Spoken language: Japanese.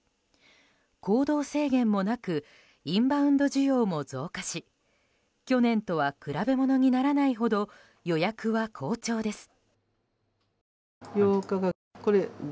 行動制限もなくインバウンド需要も増加し去年とは比べ物にならないほど予約は好調です。